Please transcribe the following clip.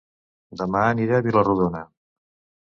Dema aniré a Vila-rodona